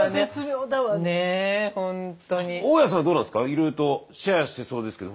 いろいろとシェアしてそうですけど。